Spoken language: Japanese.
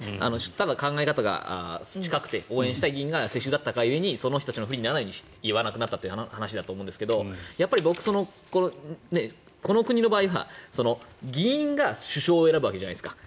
ただ考え方が近くて応援したい議員が世襲だったが故に、その人たちが不利にならないように言わなくなったという話だと思うんですが僕、この国の場合は議員が首相を選ぶわけじゃないですか。